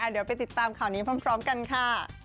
เดี๋ยวไปติดตามข่าวนี้พร้อมกันค่ะ